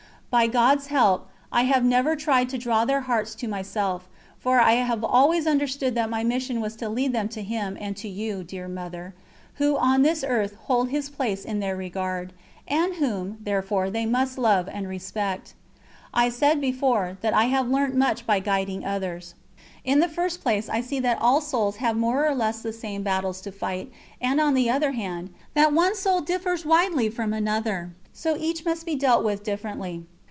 By God's help, I have never tried to draw their hearts to myself, for I have always understood that my mission was to lead them to Him and to you, dear Mother, who on this earth hold His place in their regard, and whom, therefore, they must love and respect. I said before, that I have learnt much by guiding others. In the first place I see that all souls have more or less the same battles to fight, and on the other hand, that one soul differs widely from another, so each must be dealt with differently.